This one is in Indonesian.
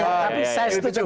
tapi saya setuju